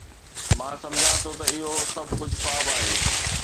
مان سمجهان ٿو ته اهو سڀ ڪجهه خواب آهي